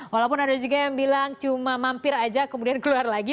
walaupun ada juga yang bilang cuma mampir aja kemudian keluar lagi